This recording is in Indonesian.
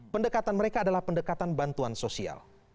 pendekatan mereka adalah pendekatan bantuan sosial